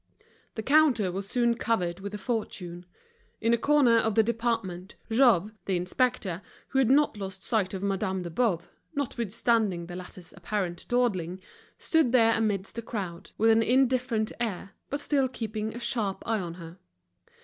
The counter was soon covered with a fortune. In a corner of the department Jouve, the inspector, who had not lost sight of Madame de Boves, notwithstanding the latter's apparent dawdling, stood there amidst the crowd, with an indifferent air, but still keeping a sharp eye on her.